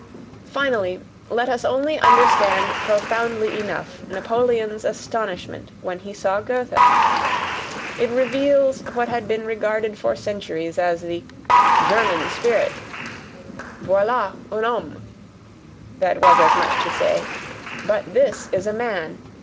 Finally, let us only understand profoundly enough Napoleon's astonishment when he saw Goethe it reveals what had been regarded for centuries as the "German spirit" "VOILA UN HOMME!" that was as much as to say "But this is a MAN!